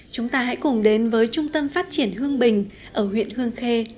chúng ta hãy cùng đến với trung tâm phát triển hương bình ở huyện hương khê